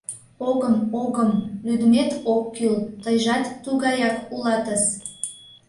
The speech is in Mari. Огым, огым, лӱдмет ок кӱл, тыйжат тугаяк улатыс...